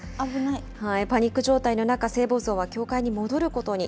パニック状態の中、聖母像は教会に戻ることに。